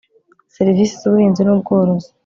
serivisi z ubuhinzi n ubworozi